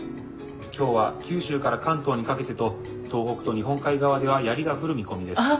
今日は九州から関東にかけてと東北と日本海側ではヤリが降る見込みです。